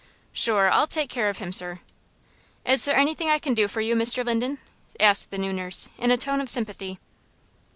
"Shure, I'll take care of him, sir." "Is there anything I can do for you, Mr. Linden?" asked the new nurse, in a tone of sympathy.